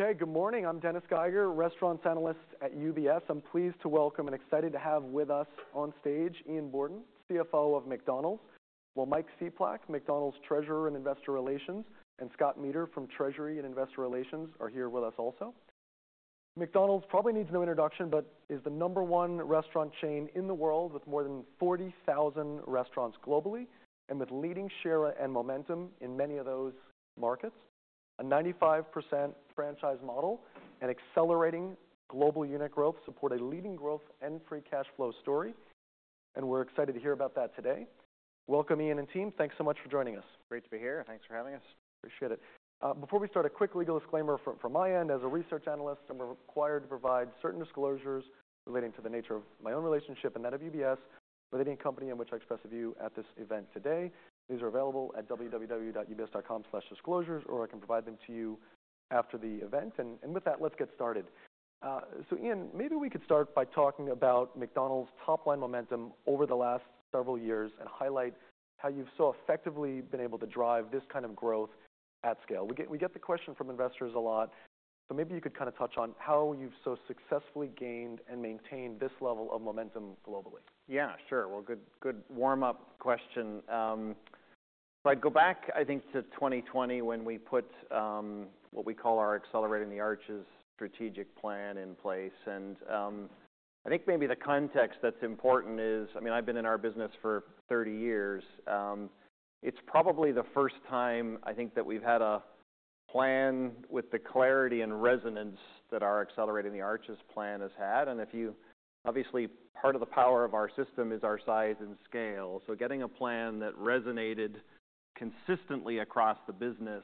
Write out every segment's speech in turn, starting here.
Okay, good morning. I'm Dennis Geiger, restaurants analyst at UBS. I'm pleased to welcome and excited to have with us on stage Ian Borden, CFO of McDonald's. Well, Mike Cieplak, McDonald's Treasurer and Investor Relations, and Scott Mader from Treasury and Investor Relations are here with us also. McDonald's probably needs no introduction, but is the number one restaurant chain in the world with more than 40,000 restaurants globally, and with leading share and momentum in many of those markets. A 95% franchise model and accelerating global unit growth support a leading growth and free cash flow story, and we're excited to hear about that today. Welcome, Ian and team. Thanks so much for joining us. Great to be here. Thanks for having us. Appreciate it. Before we start, a quick legal disclaimer from my end. As a research analyst, I'm required to provide certain disclosures relating to the nature of my own relationship and that of UBS, relating to the company in which I express a view at this event today. These are available at www.ubs.com/disclosures, or I can provide them to you after the event. And with that, let's get started. So Ian, maybe we could start by talking about McDonald's top-line momentum over the last several years and highlight how you've so effectively been able to drive this kind of growth at scale. We get the question from investors a lot, so maybe you could kinda touch on how you've so successfully gained and maintained this level of momentum globally. Yeah, sure. Well, good, good warm-up question. So I'd go back, I think, to 2020 when we put what we call our Accelerating the Arches strategic plan in place. And, I think maybe the context that's important is, I mean, I've been in our business for 30 years. It's probably the first time, I think, that we've had a plan with the clarity and resonance that our Accelerating the Arches plan has had. And if you obviously, part of the power of our system is our size and scale. So getting a plan that resonated consistently across the business,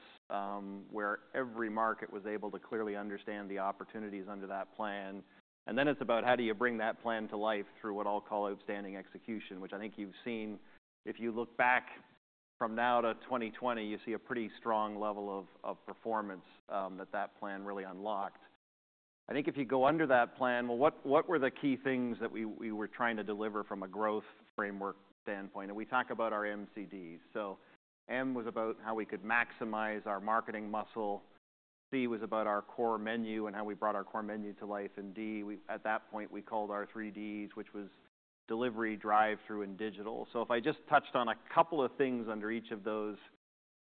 where every market was able to clearly understand the opportunities under that plan. And then it's about how do you bring that plan to life through what I'll call outstanding execution, which I think you've seen. If you look back from now to 2020, you see a pretty strong level of performance that plan really unlocked. I think if you go under that plan, well, what were the key things that we were trying to deliver from a growth framework standpoint? We talk about our MCDs. So M was about how we could maximize our marketing muscle. C was about our core menu and how we brought our core menu to life. And D, at that point, we called our three Ds, which was delivery, Drive-Thru, and digital. So if I just touched on a couple of things under each of those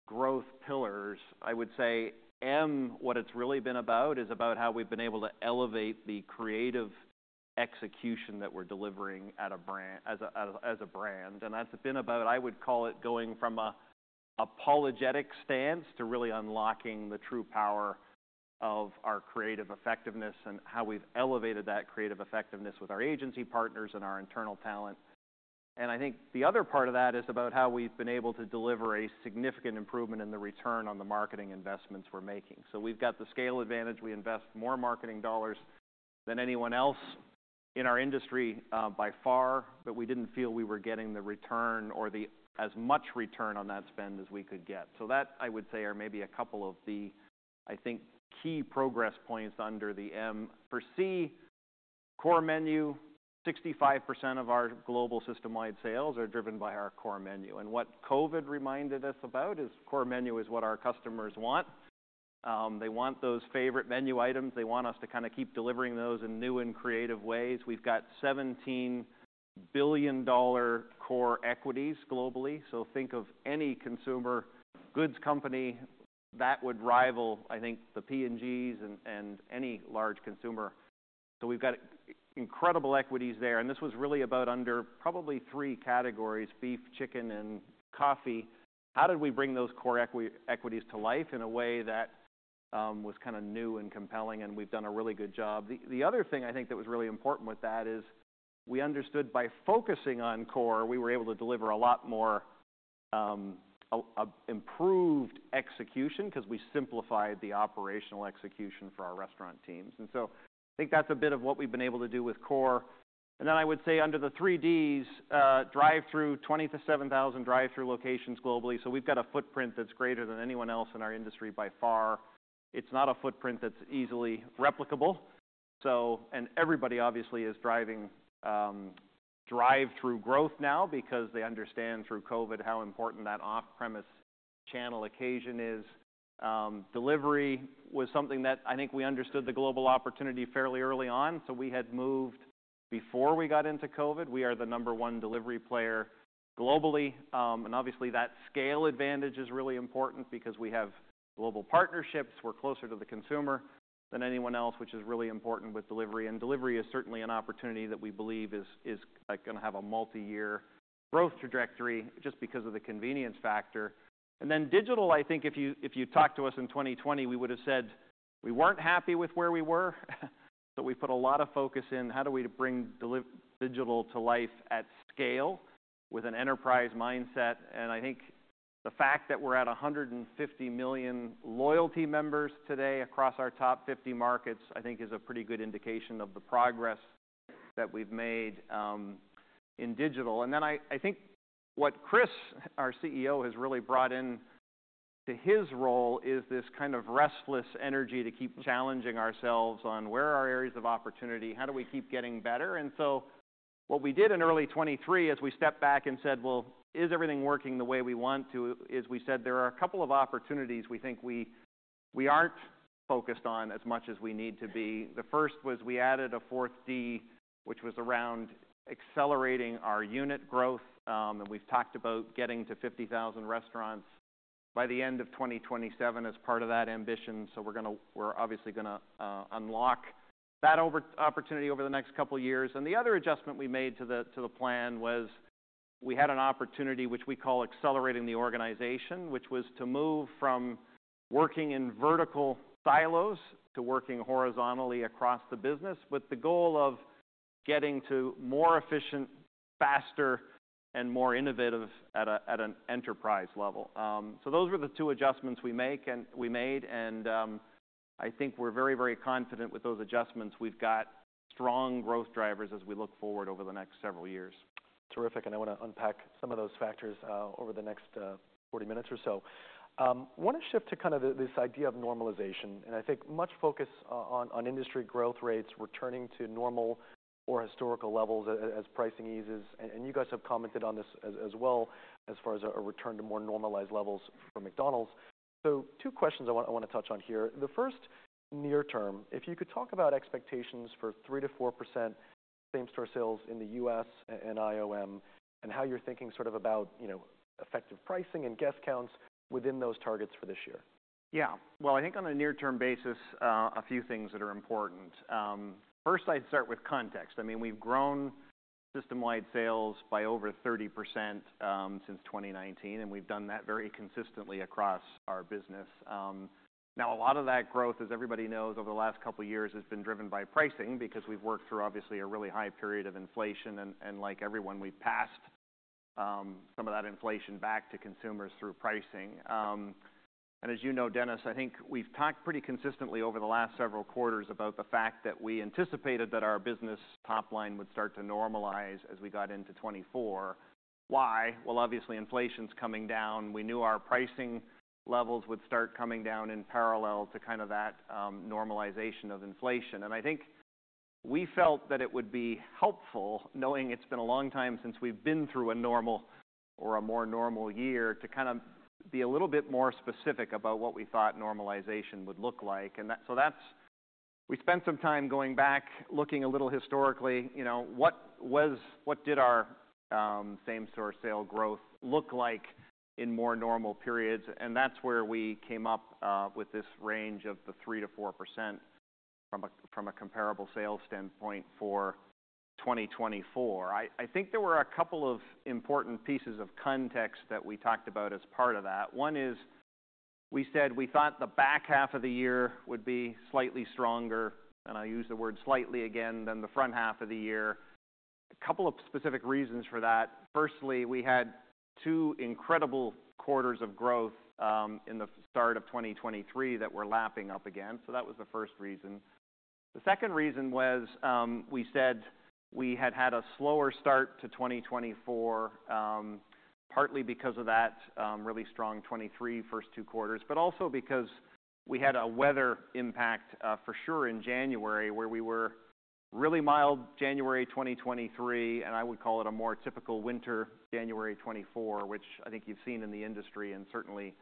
growth pillars, I would say M, what it's really been about, is about how we've been able to elevate the creative execution that we're delivering at a brand as a brand. And that's been about, I would call it, going from an apologetic stance to really unlocking the true power of our creative effectiveness and how we've elevated that creative effectiveness with our agency partners and our internal talent. And I think the other part of that is about how we've been able to deliver a significant improvement in the return on the marketing investments we're making. So we've got the scale advantage. We invest more marketing dollars than anyone else in our industry, by far, but we didn't feel we were getting the return or the as much return on that spend as we could get. So that, I would say, are maybe a couple of the, I think, key progress points under the M. For C, core menu, 65% of our global system-wide sales are driven by our core menu. What COVID reminded us about is core menu is what our customers want. They want those favorite menu items. They want us to kinda keep delivering those in new and creative ways. We've got $17 billion core equities globally. So think of any consumer goods company that would rival, I think, the P&Gs and any large consumer. So we've got incredible equities there. And this was really about under probably three categories: beef, chicken, and coffee. How did we bring those core equities to life in a way that was kinda new and compelling? And we've done a really good job. The other thing I think that was really important with that is we understood by focusing on core, we were able to deliver a lot more, improved execution 'cause we simplified the operational execution for our restaurant teams. And so I think that's a bit of what we've been able to do with core. And then I would say under the three Ds, drive-through, 27,000 drive-through locations globally. So we've got a footprint that's greater than anyone else in our industry by far. It's not a footprint that's easily replicable. So and everybody obviously is driving drive-through growth now because they understand through COVID how important that off-premise channel occasion is. Delivery was something that I think we understood the global opportunity fairly early on. So we had moved before we got into COVID. We are the number one delivery player globally. And obviously, that scale advantage is really important because we have global partnerships. We're closer to the consumer than anyone else, which is really important with delivery. Delivery is certainly an opportunity that we believe is, like, gonna have a multi-year growth trajectory just because of the convenience factor. Then digital, I think if you talked to us in 2020, we would have said we weren't happy with where we were. So we put a lot of focus in how do we bring the digital to life at scale with an enterprise mindset. And I think the fact that we're at 150 million loyalty members today across our top 50 markets, I think, is a pretty good indication of the progress that we've made, in digital. And then I think what Chris, our CEO, has really brought into his role is this kind of restless energy to keep challenging ourselves on where are our areas of opportunity, how do we keep getting better. And so what we did in early 2023 is we stepped back and said, "Well, is everything working the way we want to?" We said, "There are a couple of opportunities we think we aren't focused on as much as we need to be." The first was we added a fourth D, which was around accelerating our unit growth. And we've talked about getting to 50,000 restaurants by the end of 2027 as part of that ambition. So we're obviously gonna unlock that opportunity over the next couple of years. And the other adjustment we made to the plan was we had an opportunity, which we call Accelerating the Organization, which was to move from working in vertical silos to working horizontally across the business with the goal of getting to more efficient, faster, and more innovative at an enterprise level. Those were the two adjustments we make and we made. I think we're very, very confident with those adjustments. We've got strong growth drivers as we look forward over the next several years. Terrific. And I wanna unpack some of those factors over the next 40 minutes or so. I wanna shift to kinda this idea of normalization. And I think much focus on industry growth rates returning to normal or historical levels as pricing eases. And you guys have commented on this as well as far as a return to more normalized levels for McDonald's. So two questions I wanna touch on here. The first, near term, if you could talk about expectations for 3%-4% same-store sales in the U.S. and IOM and how you're thinking sort of about you know effective pricing and guest counts within those targets for this year. Yeah. Well, I think on a near-term basis, a few things that are important. First, I'd start with context. I mean, we've grown system-wide sales by over 30% since 2019. We've done that very consistently across our business. Now, a lot of that growth, as everybody knows, over the last couple of years has been driven by pricing because we've worked through, obviously, a really high period of inflation. And like everyone, we've passed some of that inflation back to consumers through pricing. As you know, Dennis, I think we've talked pretty consistently over the last several quarters about the fact that we anticipated that our business top-line would start to normalize as we got into 2024. Why? Well, obviously, inflation's coming down. We knew our pricing levels would start coming down in parallel to kinda that normalization of inflation. And I think we felt that it would be helpful, knowing it's been a long time since we've been through a normal or a more normal year, to kinda be a little bit more specific about what we thought normalization would look like. And we spent some time going back, looking a little historically, you know, what did our same-store sales growth look like in more normal periods? And that's where we came up with this range of the 3%-4% from a comparable sales standpoint for 2024. I think there were a couple of important pieces of context that we talked about as part of that. One is we said we thought the back half of the year would be slightly stronger, and I'll use the word slightly again, than the front half of the year. A couple of specific reasons for that. Firstly, we had 2 incredible quarters of growth, in the start of 2023 that were lapping up again. So that was the first reason. The second reason was, we said we had had a slower start to 2024, partly because of that, really strong 2023 first 2 quarters, but also because we had a weather impact, for sure in January where we were really mild January 2023. And I would call it a more typical winter January 2024, which I think you've seen in the industry and certainly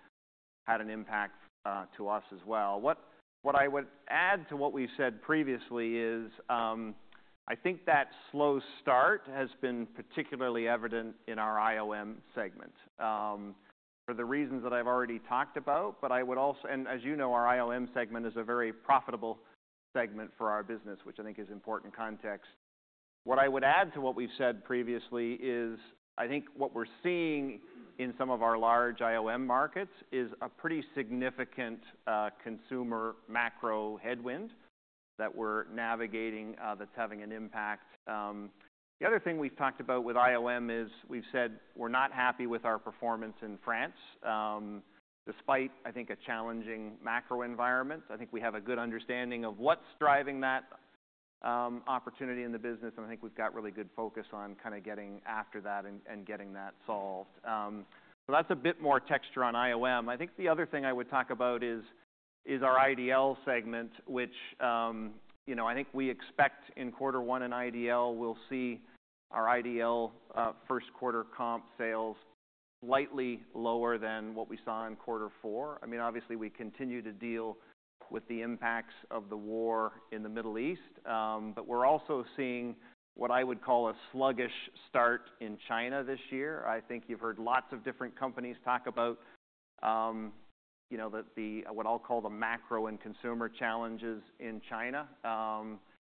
had an impact, to us as well. What, what I would add to what we've said previously is, I think that slow start has been particularly evident in our IOM segment, for the reasons that I've already talked about. But I would also and as you know, our IOM segment is a very profitable segment for our business, which I think is important context. What I would add to what we've said previously is I think what we're seeing in some of our large IOM markets is a pretty significant, consumer macro headwind that we're navigating, that's having an impact. The other thing we've talked about with IOM is we've said we're not happy with our performance in France, despite, I think, a challenging macro environment. I think we have a good understanding of what's driving that, opportunity in the business. And I think we've got really good focus on kinda getting after that and, and getting that solved. So that's a bit more texture on IOM. I think the other thing I would talk about is our IDL segment, which, you know, I think we expect in quarter one in IDL, we'll see our IDL first-quarter comp sales slightly lower than what we saw in quarter four. I mean, obviously, we continue to deal with the impacts of the war in the Middle East, but we're also seeing what I would call a sluggish start in China this year. I think you've heard lots of different companies talk about, you know, the what I'll call the macro and consumer challenges in China.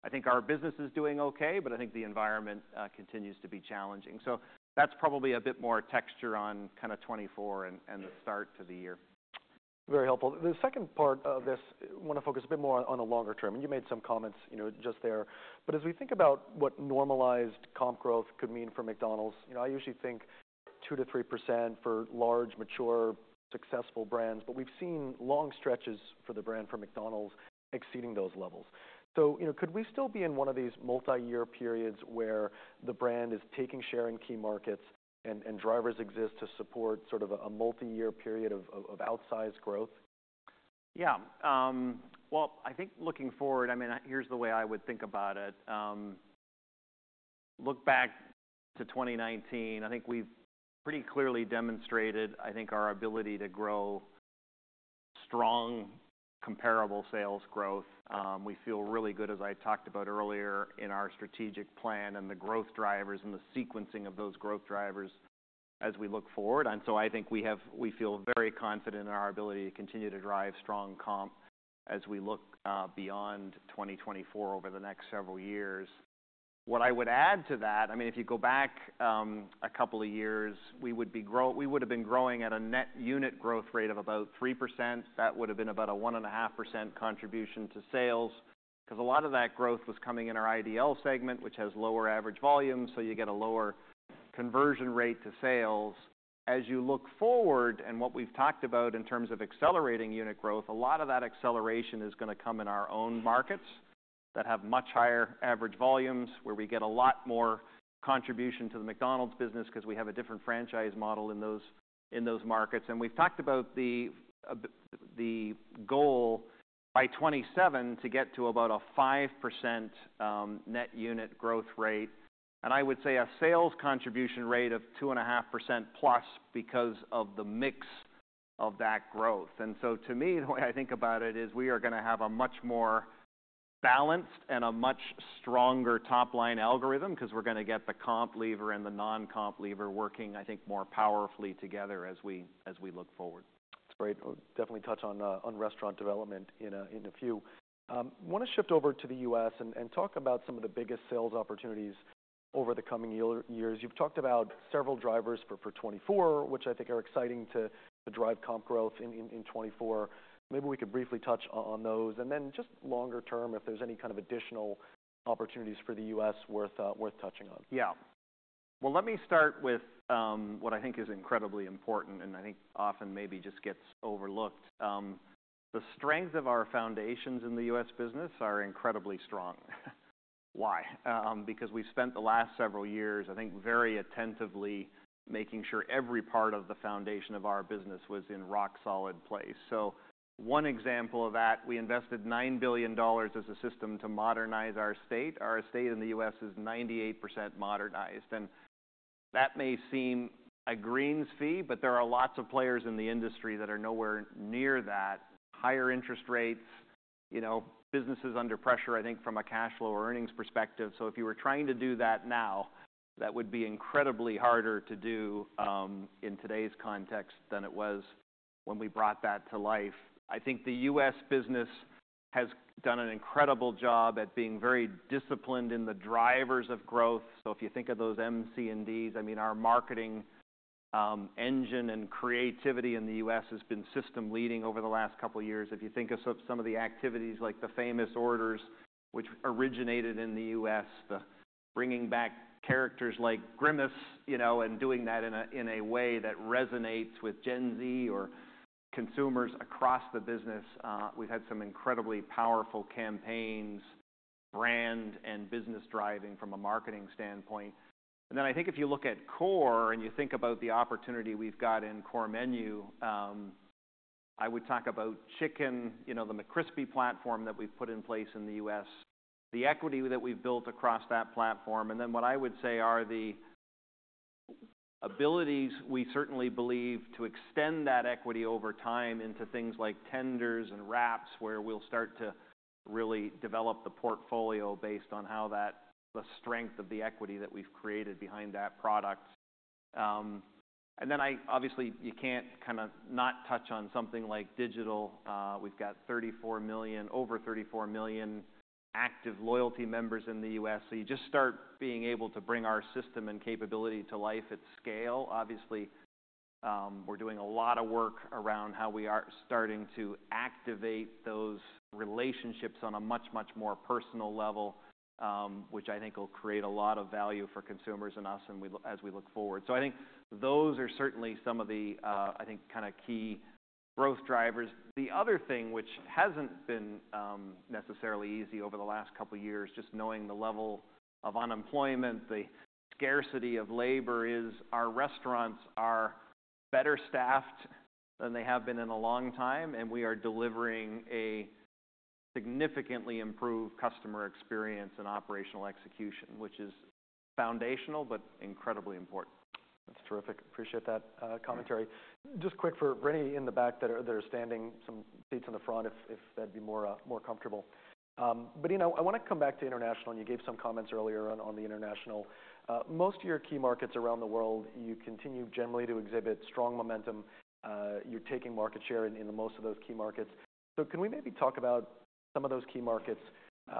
I think our business is doing okay, but I think the environment continues to be challenging. So that's probably a bit more texture on kinda 2024 and the start to the year. Very helpful. The second part of this, want to focus a bit more on the longer term. And you made some comments, you know, just there. But as we think about what normalized comp growth could mean for McDonald's, you know, I usually think 2%-3% for large, mature, successful brands. But we've seen long stretches for the brand for McDonald's exceeding those levels. So, you know, could we still be in one of these multi-year periods where the brand is taking share in key markets and drivers exist to support sort of a multi-year period of outsized growth? Yeah. Well, I think looking forward, I mean, here's the way I would think about it. Look back to 2019. I think we've pretty clearly demonstrated, I think, our ability to grow strong comparable sales growth. We feel really good, as I talked about earlier, in our strategic plan and the growth drivers and the sequencing of those growth drivers as we look forward. So I think we feel very confident in our ability to continue to drive strong comp as we look beyond 2024 over the next several years. What I would add to that, I mean, if you go back a couple of years, we would have been growing at a net unit growth rate of about 3%. That would have been about a 1.5% contribution to sales 'cause a lot of that growth was coming in our IDL segment, which has lower average volumes. So you get a lower conversion rate to sales. As you look forward and what we've talked about in terms of accelerating unit growth, a lot of that acceleration is gonna come in our own markets that have much higher average volumes where we get a lot more contribution to the McDonald's business 'cause we have a different franchise model in those markets. And we've talked about the goal by 2027 to get to about a 5%, net unit growth rate and I would say a sales contribution rate of 2.5% plus because of the mix of that growth. And so to me, the way I think about it is we are gonna have a much more balanced and a much stronger top-line algorithm 'cause we're gonna get the comp lever and the non-comp lever working, I think, more powerfully together as we as we look forward. That's great. Definitely touch on restaurant development in a few. Wanna shift over to the U.S. and talk about some of the biggest sales opportunities over the coming year, years. You've talked about several drivers for 2024, which I think are exciting to drive comp growth in 2024. Maybe we could briefly touch on those. And then just longer term, if there's any kind of additional opportunities for the US worth touching on. Yeah. Well, let me start with what I think is incredibly important and I think often maybe just gets overlooked. The strength of our foundations in the U.S. business are incredibly strong. Why? Because we've spent the last several years, I think, very attentively making sure every part of the foundation of our business was in rock-solid place. So one example of that, we invested $9 billion as a system to modernize our estate. Our estate in the U.S. is 98% modernized. And that may seem a greens fee, but there are lots of players in the industry that are nowhere near that: higher interest rates, you know, businesses under pressure, I think, from a cash flow or earnings perspective. So if you were trying to do that now, that would be incredibly harder to do, in today's context than it was when we brought that to life. I think the U.S. business has done an incredible job at being very disciplined in the drivers of growth. So if you think of those MC&Ds, I mean, our marketing, engine and creativity in the U.S. has been system-leading over the last couple of years. If you think of so some of the activities like the Famous Orders, which originated in the U.S., the bringing back characters like Grimace, you know, and doing that in a in a way that resonates with Gen Z or consumers across the business, we've had some incredibly powerful campaigns, brand and business driving from a marketing standpoint. And then I think if you look at core and you think about the opportunity we've got in core menu, I would talk about chicken, you know, the McCrispy platform that we've put in place in the U.S., the equity that we've built across that platform. Then what I would say are the abilities we certainly believe to extend that equity over time into things like tenders and wraps where we'll start to really develop the portfolio based on how that the strength of the equity that we've created behind that product. Then I obviously, you can't kinda not touch on something like digital. We've got 34 million over 34 million active loyalty members in the U.S. So you just start being able to bring our system and capability to life at scale. Obviously, we're doing a lot of work around how we are starting to activate those relationships on a much, much more personal level, which I think will create a lot of value for consumers and us and we lo as we look forward. So I think those are certainly some of the, I think, kinda key growth drivers. The other thing, which hasn't been necessarily easy over the last couple of years, just knowing the level of unemployment, the scarcity of labor, is our restaurants are better staffed than they have been in a long time. We are delivering a significantly improved customer experience and operational execution, which is foundational but incredibly important. That's terrific. Appreciate that commentary. Just quick for Renee in the back that's standing, some seats in the front if that'd be more comfortable. You know, I wanna come back to international. You gave some comments earlier on the international. Most of your key markets around the world, you continue generally to exhibit strong momentum. You're taking market share in most of those key markets. So can we maybe talk about some of those key markets, you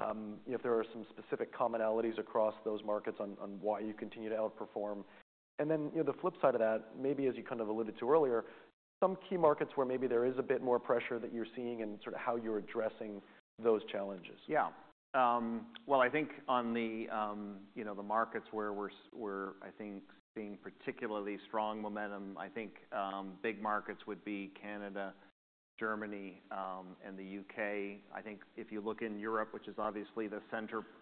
know, if there are some specific commonalities across those markets on why you continue to outperform? And then, you know, the flip side of that, maybe as you kind of alluded to earlier, some key markets where maybe there is a bit more pressure that you're seeing and sort of how you're addressing those challenges. Yeah. Well, I think on the, you know, the markets where we're seeing particularly strong momentum, I think big markets would be Canada, Germany, and the UK. I think if you look in Europe, which is obviously the center point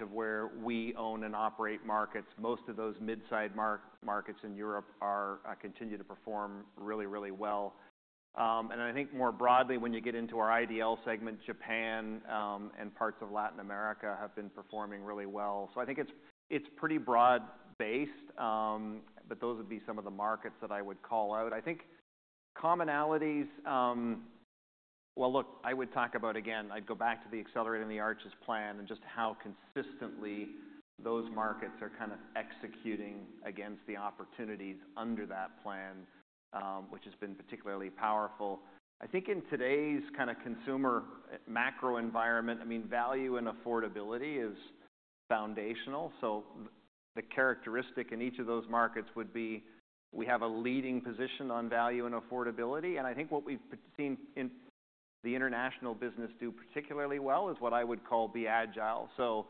of where we own and operate markets, most of those midsize markets in Europe continue to perform really, really well. I think more broadly, when you get into our IDL segment, Japan, and parts of Latin America have been performing really well. So I think it's pretty broad-based, but those would be some of the markets that I would call out. I think commonalities. Well, look, I would talk about again, I'd go back to the Accelerating the Arches plan and just how consistently those markets are kind of executing against the opportunities under that plan, which has been particularly powerful. I think in today's kinda consumer macro environment, I mean, value and affordability is foundational. So the characteristic in each of those markets would be we have a leading position on value and affordability. And I think what we've seen in the international business do particularly well is what I would call be agile. So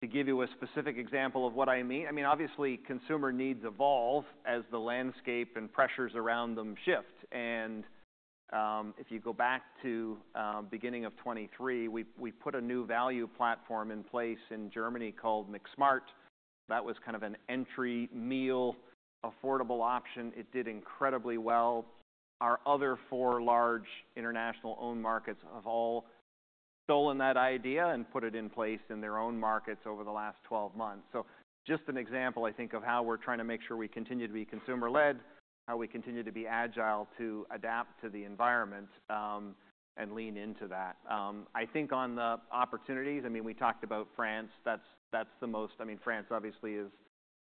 to give you a specific example of what I mean, I mean, obviously, consumer needs evolve as the landscape and pressures around them shift. And if you go back to the beginning of 2023, we put a new value platform in place in Germany called McSmart. That was kind of an entry meal affordable option. It did incredibly well. Our other four large international-owned markets have all stolen that idea and put it in place in their own markets over the last 12 months. So just an example, I think, of how we're trying to make sure we continue to be consumer-led, how we continue to be agile to adapt to the environment, and lean into that. I think on the opportunities, I mean, we talked about France. That's, that's the most I mean, France obviously is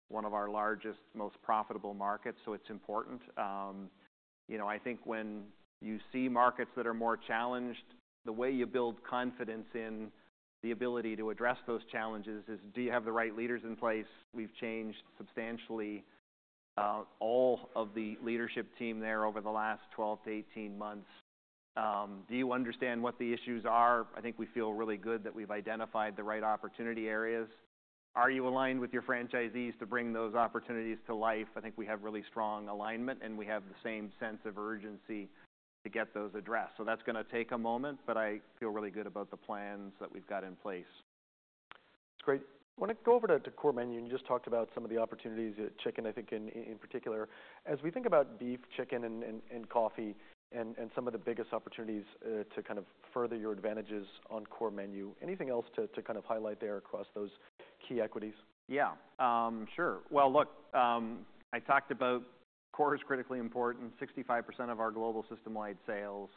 one of our largest, most profitable markets. So it's important. You know, I think when you see markets that are more challenged, the way you build confidence in the ability to address those challenges is, do you have the right leaders in place? We've changed substantially, all of the leadership team there over the last 12-18 months. Do you understand what the issues are? I think we feel really good that we've identified the right opportunity areas. Are you aligned with your franchisees to bring those opportunities to life? I think we have really strong alignment, and we have the same sense of urgency to get those addressed. So that's gonna take a moment, but I feel really good about the plans that we've got in place. That's great. Wanna go over to core menu. And you just talked about some of the opportunities at chicken, I think, in particular. As we think about beef, chicken, and coffee and some of the biggest opportunities, to kind of further your advantages on core menu, anything else to kind of highlight there across those key equities? Yeah. Sure. Well, look, I talked about core is critically important: 65% of our global system-wide sales,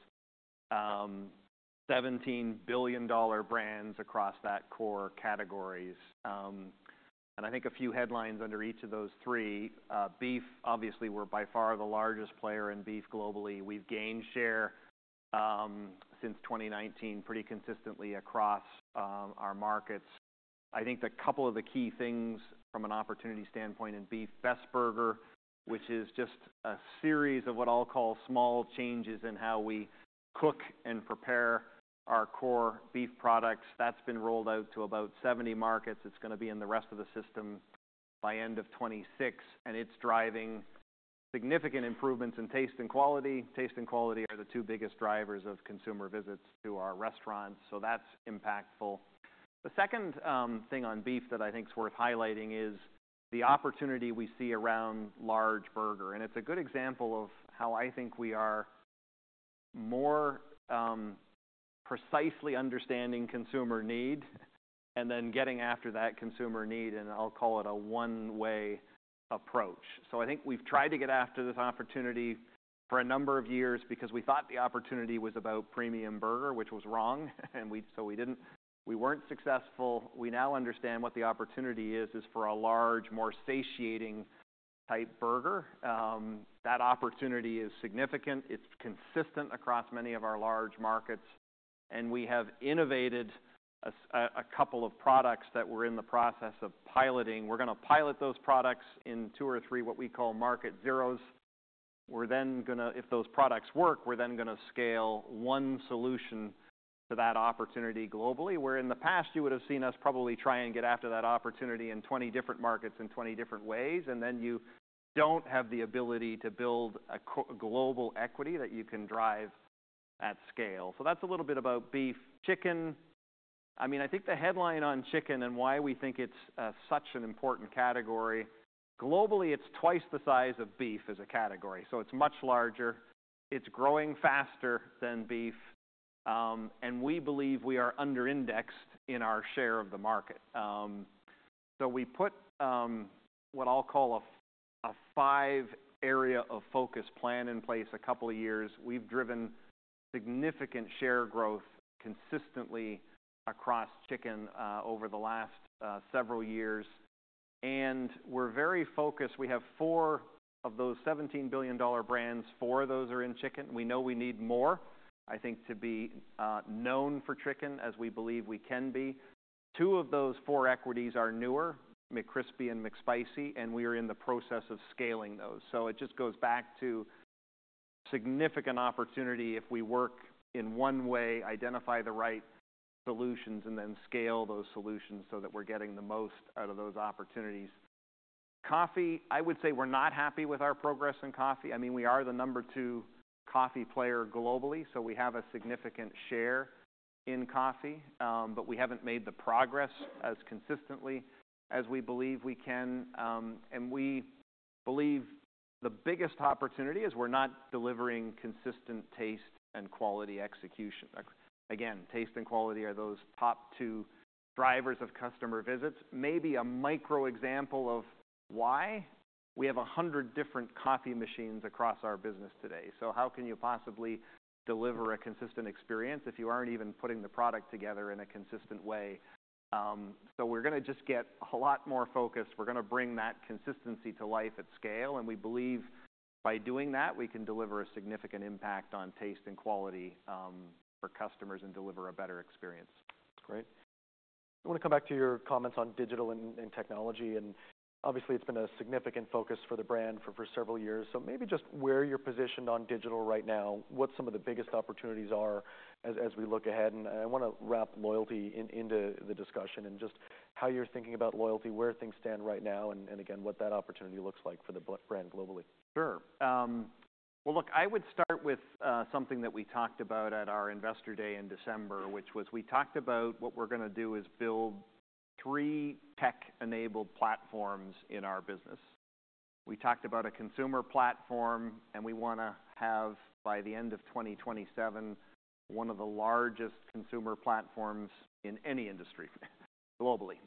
$17 billion brands across that core categories. And I think a few headlines under each of those three. Beef, obviously, we're by far the largest player in beef globally. We've gained share since 2019 pretty consistently across our markets. I think a couple of the key things from an opportunity standpoint in beef: Best Burger, which is just a series of what I'll call small changes in how we cook and prepare our core beef products. That's been rolled out to about 70 markets. It's gonna be in the rest of the system by end of 2026. And it's driving significant improvements in taste and quality. Taste and quality are the two biggest drivers of consumer visits to our restaurants. So that's impactful. The second thing on beef that I think's worth highlighting is the opportunity we see around large burger. And it's a good example of how I think we are more precisely understanding consumer need and then getting after that consumer need. And I'll call it a one-way approach. So I think we've tried to get after this opportunity for a number of years because we thought the opportunity was about premium burger, which was wrong. And so we weren't successful. We now understand what the opportunity is for a large, more satiating type burger. That opportunity is significant. It's consistent across many of our large markets. And we have innovated a couple of products that we're in the process of piloting. We're gonna pilot those products in two or three what we call Market Zeros. We're then gonna, if those products work, we're then gonna scale one solution to that opportunity globally, where in the past, you would have seen us probably try and get after that opportunity in 20 different markets in 20 different ways. And then you don't have the ability to build a global equity that you can drive at scale. So that's a little bit about beef. Chicken, I mean, I think the headline on chicken and why we think it's such an important category globally; it's twice the size of beef as a category. So it's much larger. It's growing faster than beef. And we believe we are underindexed in our share of the market. So we put what I'll call a five-area of focus plan in place a couple of years. We've driven significant share growth consistently across chicken over the last several years. We're very focused. We have four of those $17 billion brands. Four of those are in chicken. We know we need more, I think, to be known for chicken as we believe we can be. Two of those four equities are newer: McCrispy and McSpicy. We are in the process of scaling those. So it just goes back to significant opportunity if we work in one way, identify the right solutions, and then scale those solutions so that we're getting the most out of those opportunities. Coffee, I would say we're not happy with our progress in coffee. I mean, we are the number two coffee player globally. So we have a significant share in coffee. But we haven't made the progress as consistently as we believe we can. And we believe the biggest opportunity is we're not delivering consistent taste and quality execution. Again, taste and quality are those top two drivers of customer visits. Maybe a micro example of why: we have 100 different coffee machines across our business today. So how can you possibly deliver a consistent experience if you aren't even putting the product together in a consistent way? So we're gonna just get a lot more focused. We're gonna bring that consistency to life at scale. And we believe by doing that, we can deliver a significant impact on taste and quality, for customers and deliver a better experience. That's great. I wanna come back to your comments on digital and technology. And obviously, it's been a significant focus for the brand for several years. So maybe just where you're positioned on digital right now, what some of the biggest opportunities are as we look ahead. And I wanna wrap loyalty in into the discussion and just how you're thinking about loyalty, where things stand right now, and again, what that opportunity looks like for the brand globally. Sure. Well, look, I would start with something that we talked about at our investor day in December, which was we talked about what we're gonna do is build three tech-enabled platforms in our business. We talked about a consumer platform. And we wanna have, by the end of 2027, one of the largest consumer platforms in any industry globally.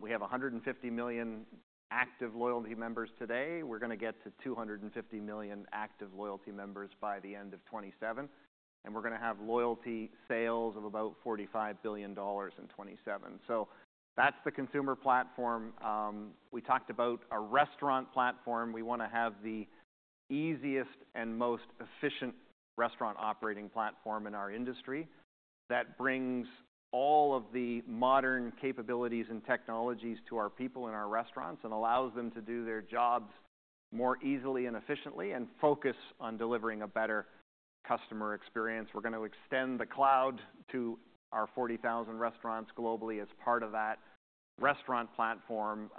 We have 150 million active loyalty members today. We're gonna get to 250 million active loyalty members by the end of 2027. And we're gonna have loyalty sales of about $45 billion in 2027. So that's the consumer platform. We talked about a restaurant platform. We wanna have the easiest and most efficient restaurant operating platform in our industry that brings all of the modern capabilities and technologies to our people in our restaurants and allows them to do their jobs more easily and efficiently and focus on delivering a better customer experience. We're gonna extend the cloud to our 40,000 restaurants globally as part of that restaurant platform.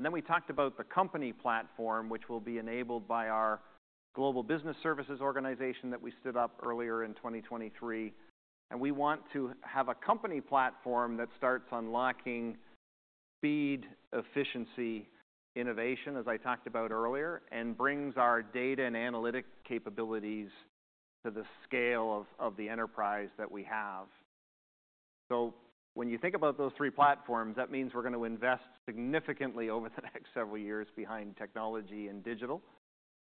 Then we talked about the company platform, which will be enabled by ourGlobal Business Services organization that we stood up earlier in 2023. We want to have a company platform that starts unlocking speed, efficiency, innovation, as I talked about earlier, and brings our data and analytic capabilities to the scale of the enterprise that we have. So when you think about those three platforms, that means we're gonna invest significantly over the next several years behind technology and digital.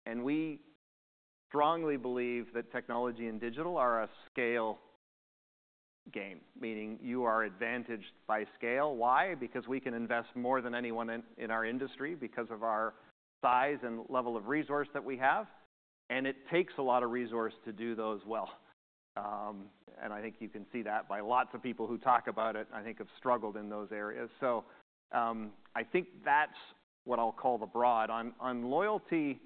And we strongly believe that technology and digital are a scale game, meaning you are advantaged by scale. Why? Because we can invest more than anyone in, in our industry because of our size and level of resource that we have. And it takes a lot of resource to do those well. And I think you can see that by lots of people who talk about it, I think, have struggled in those areas. So, I think that's what I'll call the broad. On, on loyalty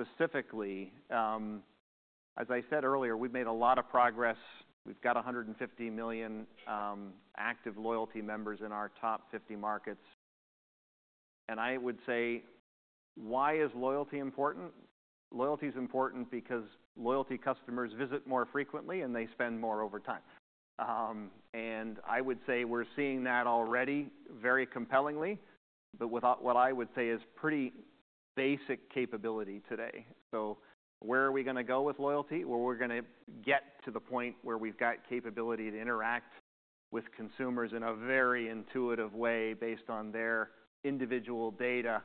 specifically, as I said earlier, we've made a lot of progress. We've got 150 million active loyalty members in our top 50 markets. And I would say, why is loyalty important? Loyalty's important because loyalty customers visit more frequently, and they spend more over time. I would say we're seeing that already very compellingly, but without what I would say is pretty basic capability today. So where are we gonna go with loyalty? Well, we're gonna get to the point where we've got capability to interact with consumers in a very intuitive way based on their individual data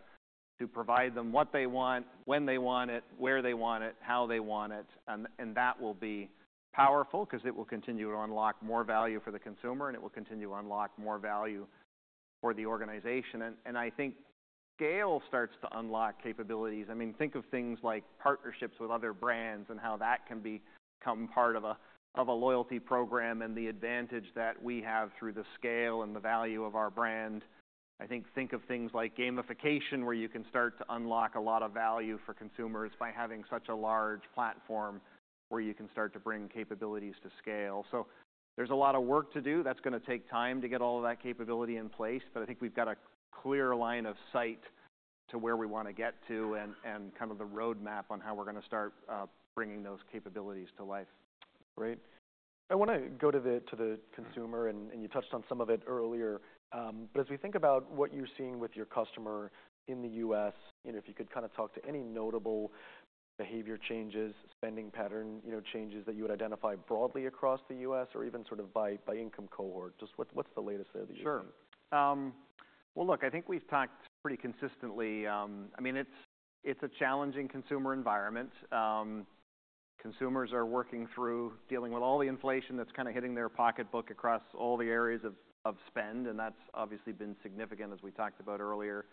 to provide them what they want, when they want it, where they want it, how they want it. And that will be powerful because it will continue to unlock more value for the consumer, and it will continue to unlock more value for the organization. And I think scale starts to unlock capabilities. I mean, think of things like partnerships with other brands and how that can become part of a loyalty program and the advantage that we have through the scale and the value of our brand. I think of things like gamification, where you can start to unlock a lot of value for consumers by having such a large platform where you can start to bring capabilities to scale. So there's a lot of work to do. That's gonna take time to get all of that capability in place. But I think we've got a clear line of sight to where we wanna get to and kind of the roadmap on how we're gonna start bringing those capabilities to life. Great. I wanna go to the consumer. And you touched on some of it earlier. But as we think about what you're seeing with your customer in the U.S., you know, if you could kinda talk to any notable behavior changes, spending pattern, you know, changes that you would identify broadly across the U.S. or even sort of by income cohort, just what's the latest there that you're seeing? Sure. Well, I think we've talked pretty consistently. I mean, it's a challenging consumer environment. Consumers are working through dealing with all the inflation that's kinda hitting their pocketbook across all the areas of spend. And that's obviously been significant, as we talked about earlier.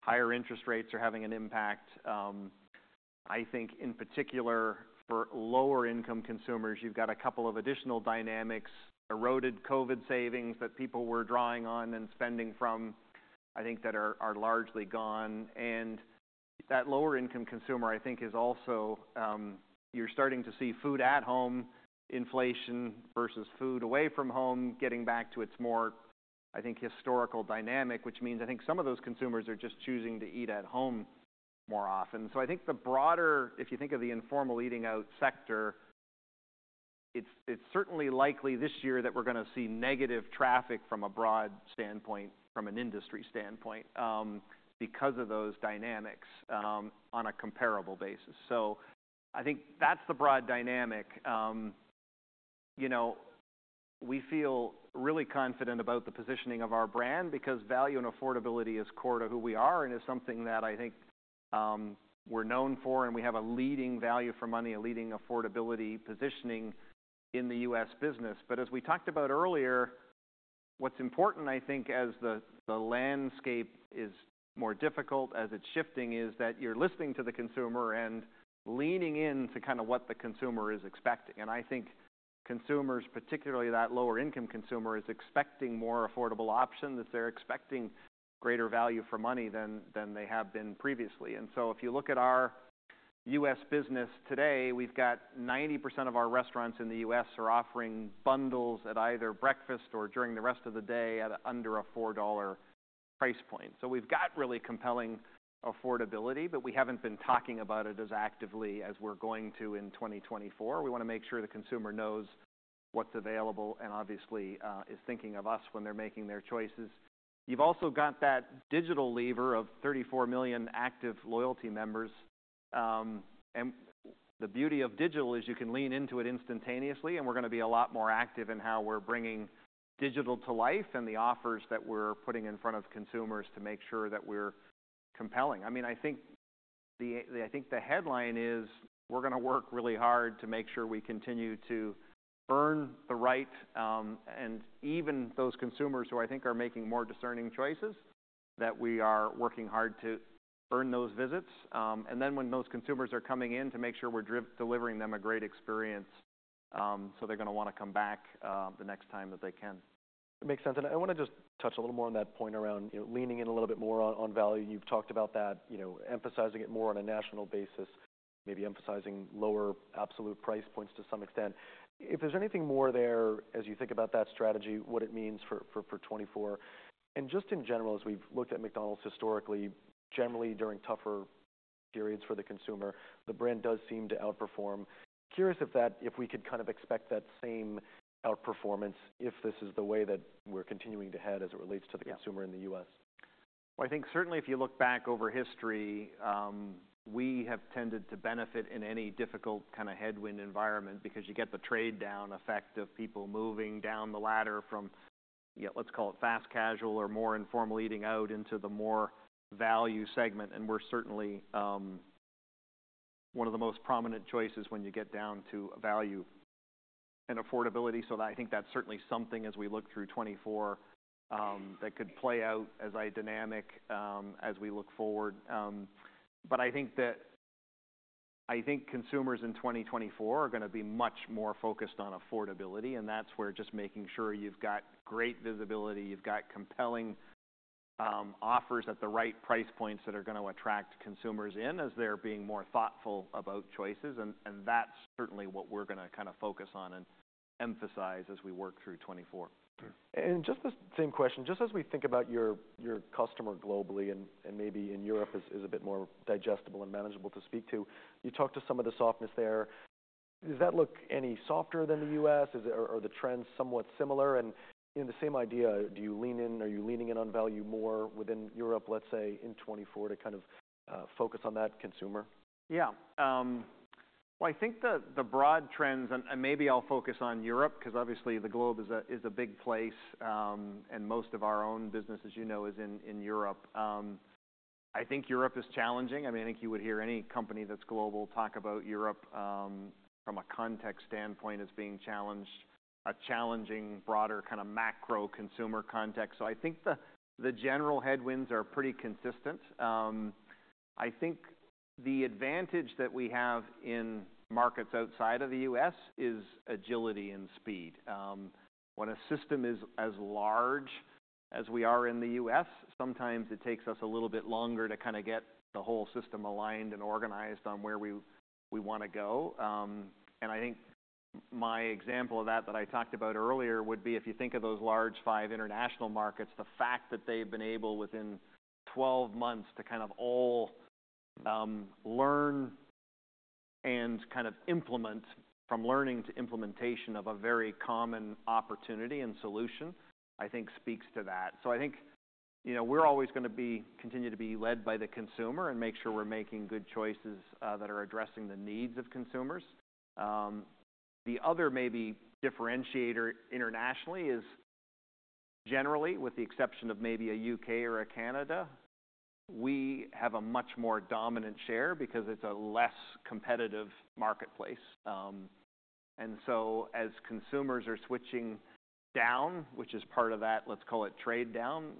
Higher interest rates are having an impact. I think in particular for lower-income consumers, you've got a couple of additional dynamics: eroded COVID savings that people were drawing on and spending from, I think, that are largely gone. And that lower-income consumer, I think, is also, you're starting to see food-at-home inflation versus food away from home getting back to its more, I think, historical dynamic, which means I think some of those consumers are just choosing to eat at home more often. So I think the broader if you think of the informal eating-out sector, it's certainly likely this year that we're gonna see negative traffic from a broad standpoint, from an industry standpoint, because of those dynamics, on a comparable basis. So I think that's the broad dynamic. You know, we feel really confident about the positioning of our brand because value and affordability is core to who we are and is something that I think, we're known for. And we have a leading value for money, a leading affordability positioning in the U.S. business. But as we talked about earlier, what's important, I think, as the landscape is more difficult, as it's shifting, is that you're listening to the consumer and leaning in to kinda what the consumer is expecting. And I think consumers, particularly that lower-income consumer, is expecting more affordable options. They're expecting greater value for money than, than they have been previously. And so if you look at our U.S. business today, we've got 90% of our restaurants in the U.S. are offering bundles at either breakfast or during the rest of the day at under a $4 price point. So we've got really compelling affordability, but we haven't been talking about it as actively as we're going to in 2024. We wanna make sure the consumer knows what's available and obviously, is thinking of us when they're making their choices. You've also got that digital lever of 34 million active loyalty members. And the beauty of digital is you can lean into it instantaneously. And we're gonna be a lot more active in how we're bringing digital to life and the offers that we're putting in front of consumers to make sure that we're compelling. I mean, I think the headline is we're gonna work really hard to make sure we continue to earn the right, and even those consumers who I think are making more discerning choices, that we are working hard to earn those visits. And then when those consumers are coming in to make sure we're delivering them a great experience, so they're gonna wanna come back, the next time that they can. That makes sense. I want to just touch a little more on that point around, you know, leaning in a little bit more on value. You've talked about that, you know, emphasizing it more on a national basis, maybe emphasizing lower absolute price points to some extent. If there's anything more there, as you think about that strategy, what it means for 2024. And just in general, as we've looked at McDonald's historically, generally during tougher periods for the consumer, the brand does seem to outperform. Curious if that we could kind of expect that same outperformance if this is the way that we're continuing to head as it relates to the consumer in the U.S. Yeah. Well, I think certainly if you look back over history, we have tended to benefit in any difficult kinda headwind environment because you get the trade-down effect of people moving down the ladder from, you know, let's call it fast casual or more informal eating-out into the more value segment. And we're certainly one of the most prominent choices when you get down to value and affordability. So that I think that's certainly something, as we look through 2024, that could play out as a dynamic, as we look forward. But I think consumers in 2024 are gonna be much more focused on affordability. And that's where just making sure you've got great visibility, you've got compelling offers at the right price points that are gonna attract consumers in as they're being more thoughtful about choices. That's certainly what we're gonna kinda focus on and emphasize as we work through 2024. Sure. And just the same question, just as we think about your customer globally and maybe in Europe is a bit more digestible and manageable to speak to, you talked to some of the softness there. Does that look any softer than the U.S.? Is it or the trends somewhat similar? And, you know, the same idea, do you lean in? Are you leaning in on value more within Europe, let's say, in 2024 to kind of focus on that consumer? Yeah. Well, I think the broad trends and maybe I'll focus on Europe because obviously the globe is a big place. And most of our own business, as you know, is in Europe. I think Europe is challenging. I mean, I think you would hear any company that's global talk about Europe from a context standpoint as being challenged, a challenging broader kinda macro consumer context. So I think the general headwinds are pretty consistent. I think the advantage that we have in markets outside of the U.S. is agility and speed. When a system is as large as we are in the U.S., sometimes it takes us a little bit longer to kinda get the whole system aligned and organized on where we wanna go. And I think my example of that that I talked about earlier would be if you think of those large five international markets, the fact that they've been able within 12 months to kind of all learn and kind of implement from learning to implementation of a very common opportunity and solution, I think speaks to that. So I think, you know, we're always gonna be continue to be led by the consumer and make sure we're making good choices that are addressing the needs of consumers. The other maybe differentiator internationally is generally, with the exception of maybe a U.K. or a Canada, we have a much more dominant share because it's a less competitive marketplace. And so as consumers are switching down, which is part of that, let's call it trade-down,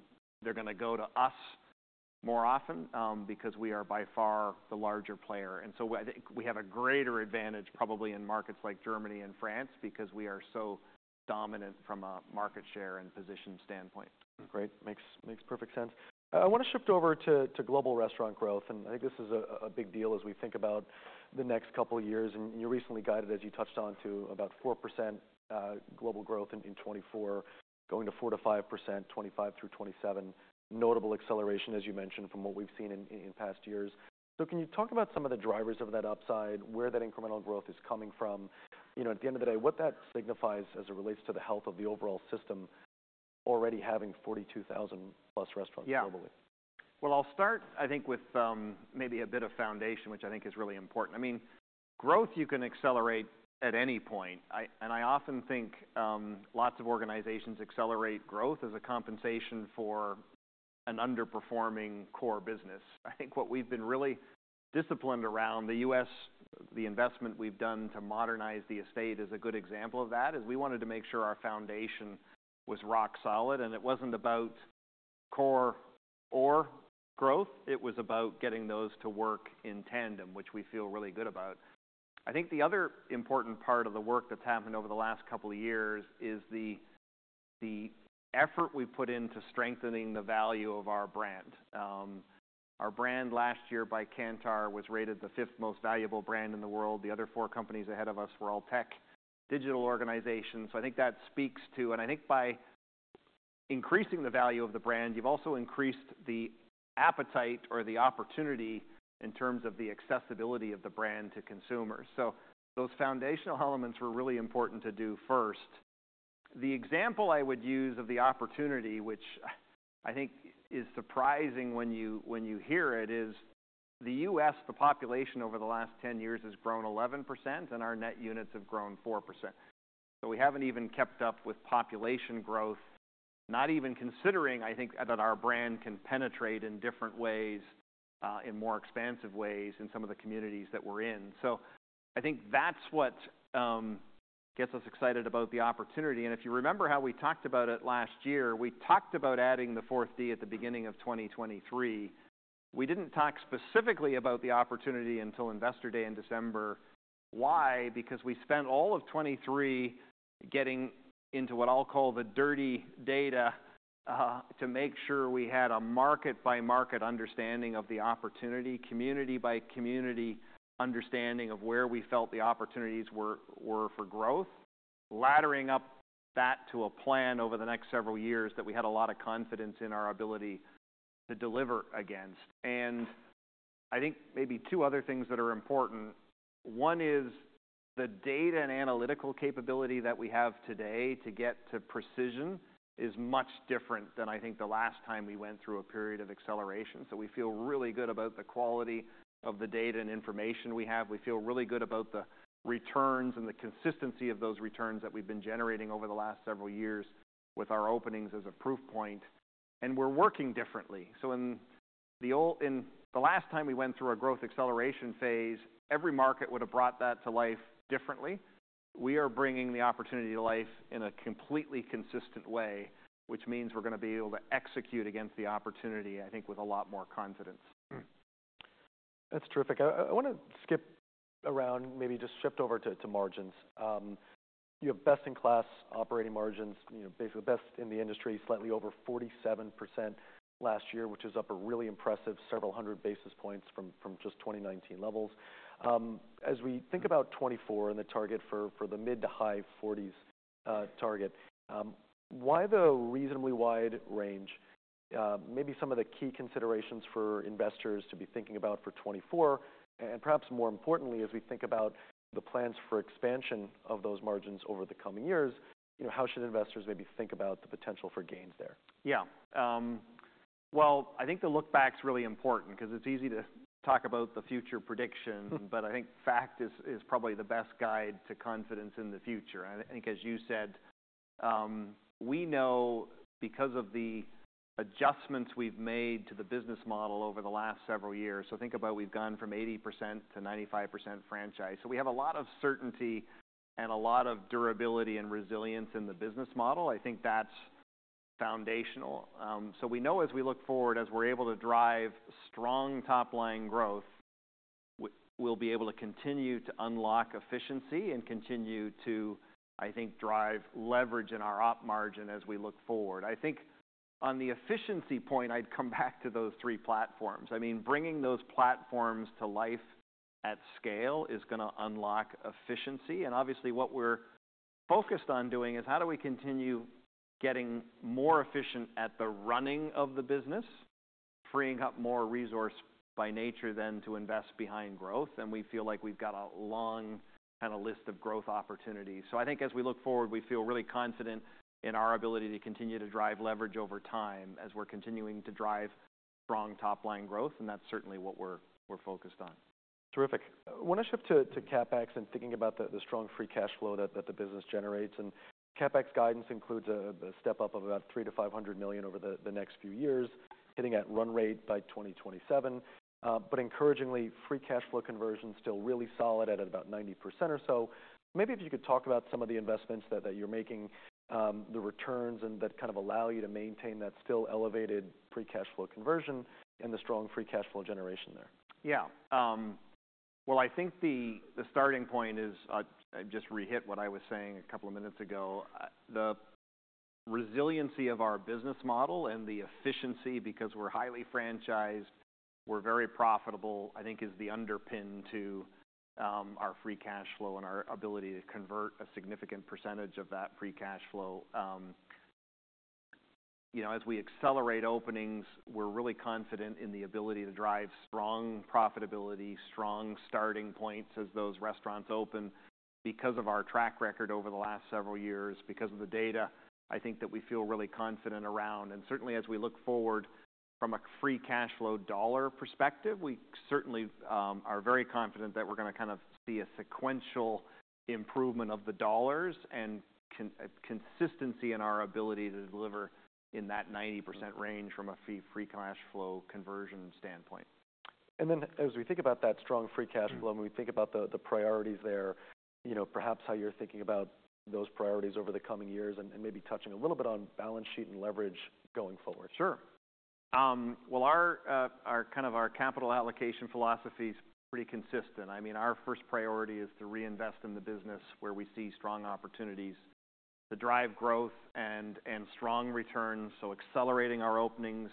they're gonna go to us more often, because we are by far the larger player. And so I think we have a greater advantage probably in markets like Germany and France because we are so dominant from a market share and position standpoint. Great. Makes perfect sense. I wanna shift over to global restaurant growth. I think this is a big deal as we think about the next couple of years. You recently guided, as you touched on, to about 4% global growth in 2024, going to 4%-5%, 2025 through 2027, notable acceleration, as you mentioned, from what we've seen in past years. So can you talk about some of the drivers of that upside, where that incremental growth is coming from? You know, at the end of the day, what that signifies as it relates to the health of the overall system already having 42,000+ restaurants globally? Yeah. Well, I'll start, I think, with, maybe a bit of foundation, which I think is really important. I mean, growth, you can accelerate at any point. I and I often think, lots of organizations accelerate growth as a compensation for an underperforming core business. I think what we've been really disciplined around, the U.S., the investment we've done to modernize the estate is a good example of that, is we wanted to make sure our foundation was rock solid. And it wasn't about core or growth. It was about getting those to work in tandem, which we feel really good about. I think the other important part of the work that's happened over the last couple of years is the, the effort we've put into strengthening the value of our brand. Our brand last year by Kantar was rated the fifth most valuable brand in the world. The other four companies ahead of us were all tech digital organizations. So I think that speaks to, and I think by increasing the value of the brand, you've also increased the appetite or the opportunity in terms of the accessibility of the brand to consumers. So those foundational elements were really important to do first. The example I would use of the opportunity, which I think is surprising when you hear it, is the U.S., the population over the last 10 years has grown 11%, and our net units have grown 4%. So we haven't even kept up with population growth, not even considering, I think, that our brand can penetrate in different ways, in more expansive ways in some of the communities that we're in. So I think that's what gets us excited about the opportunity. If you remember how we talked about it last year, we talked about adding the fourth D at the beginning of 2023. We didn't talk specifically about the opportunity until Investor Day in December. Why? Because we spent all of 2023 getting into what I'll call the dirty data, to make sure we had a market-by-market understanding of the opportunity, community-by-community understanding of where we felt the opportunities were for growth, laddering up that to a plan over the next several years that we had a lot of confidence in our ability to deliver against. And I think maybe two other things that are important. One is the data and analytical capability that we have today to get to precision is much different than I think the last time we went through a period of acceleration. So we feel really good about the quality of the data and information we have. We feel really good about the returns and the consistency of those returns that we've been generating over the last several years with our openings as a proof point. And we're working differently. So in the last time we went through a growth acceleration phase, every market would have brought that to life differently. We are bringing the opportunity to life in a completely consistent way, which means we're gonna be able to execute against the opportunity, I think, with a lot more confidence. That's terrific. I wanna skip around maybe just shift over to margins. You have best-in-class operating margins, you know, basically best in the industry, slightly over 47% last year, which is up a really impressive several hundred basis points from just 2019 levels. As we think about 2024 and the target for the mid- to high-40s target, why the reasonably wide range, maybe some of the key considerations for investors to be thinking about for 2024, and perhaps more importantly, as we think about the plans for expansion of those margins over the coming years, you know, how should investors maybe think about the potential for gains there? Yeah. Well, I think the look-back's really important because it's easy to talk about the future prediction. But I think fact is, is probably the best guide to confidence in the future. And I think, as you said, we know because of the adjustments we've made to the business model over the last several years so think about we've gone from 80% to 95% franchise. So we have a lot of certainty and a lot of durability and resilience in the business model. I think that's foundational. So we know as we look forward, as we're able to drive strong top-line growth, we'll be able to continue to unlock efficiency and continue to, I think, drive leverage in our op margin as we look forward. I think on the efficiency point, I'd come back to those three platforms. I mean, bringing those platforms to life at scale is gonna unlock efficiency. And obviously, what we're focused on doing is how do we continue getting more efficient at the running of the business, freeing up more resource by nature than to invest behind growth. And we feel like we've got a long kinda list of growth opportunities. So I think as we look forward, we feel really confident in our ability to continue to drive leverage over time as we're continuing to drive strong top-line growth. And that's certainly what we're focused on. Terrific. I wanna shift to CapEx and thinking about the strong free cash flow that the business generates. CapEx guidance includes a step up of about $300 million-$500 million over the next few years, hitting a run rate by 2027. But encouragingly, free cash flow conversion's still really solid at about 90% or so. Maybe if you could talk about some of the investments that you're making, the returns and that kind of allow you to maintain that still elevated free cash flow conversion and the strong free cash flow generation there. Yeah. Well, I think the starting point is, I just re-hit what I was saying a couple of minutes ago. The resiliency of our business model and the efficiency because we're highly franchised, we're very profitable, I think, is the underpin to our free cash flow and our ability to convert a significant percentage of that free cash flow. You know, as we accelerate openings, we're really confident in the ability to drive strong profitability, strong starting points as those restaurants open because of our track record over the last several years, because of the data, I think that we feel really confident around. And certainly, as we look forward from a free cash flow dollar perspective, we certainly are very confident that we're gonna kind of see a sequential improvement of the dollars and consistency in our ability to deliver in that 90% range from a free cash flow conversion standpoint. And then as we think about that strong free cash flow and we think about the priorities there, you know, perhaps how you're thinking about those priorities over the coming years and maybe touching a little bit on balance sheet and leverage going forward. Sure. Well, our capital allocation philosophy's pretty consistent. I mean, our first priority is to reinvest in the business where we see strong opportunities to drive growth and strong returns. So accelerating our openings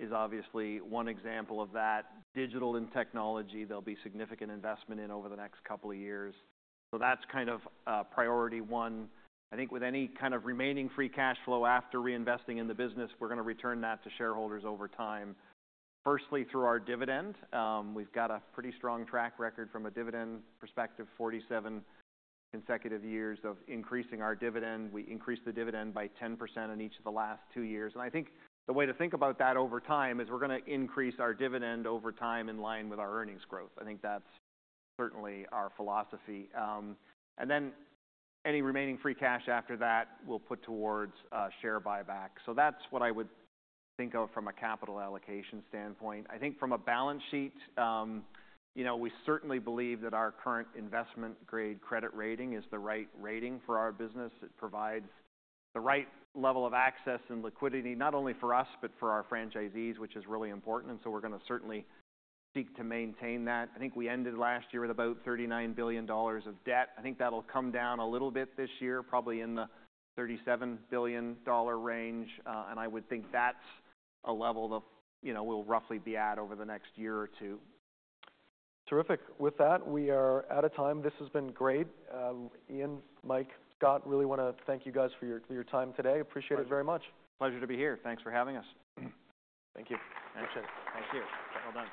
is obviously one example of that. Digital and technology, there'll be significant investment in over the next couple of years. So that's kind of priority one. I think with any kind of remaining free cash flow after reinvesting in the business, we're gonna return that to shareholders over time, firstly through our dividend. We've got a pretty strong track record from a dividend perspective, 47 consecutive years of increasing our dividend. We increased the dividend by 10% in each of the last two years. And I think the way to think about that over time is we're gonna increase our dividend over time in line with our earnings growth. I think that's certainly our philosophy. Then any remaining free cash after that, we'll put towards share buyback. That's what I would think of from a capital allocation standpoint. I think from a balance sheet, you know, we certainly believe that our current investment-grade credit rating is the right rating for our business. It provides the right level of access and liquidity not only for us but for our franchisees, which is really important. So we're gonna certainly seek to maintain that. I think we ended last year with about $39 billion of debt. I think that'll come down a little bit this year, probably in the $37 billion range. I would think that's a level that, you know, we'll roughly be at over the next year or two. Terrific. With that, we are out of time. This has been great. Ian, Mike, Scott, really wanna thank you guys for your time today. Appreciate it very much. Pleasure to be here. Thanks for having us. Thank you. Appreciate it. Thank you. Well done.